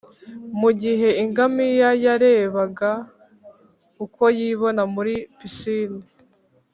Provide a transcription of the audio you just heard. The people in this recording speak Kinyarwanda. mu gihe ingamiya yarebaga uko yibona muri pisine.